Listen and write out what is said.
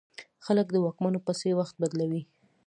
خلک د واکمنو پسې وخت بدلوي.